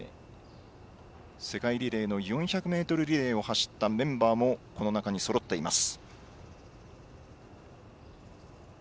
世界リレーの４００ｍリレーを走ったメンバーもこの中にそろっています。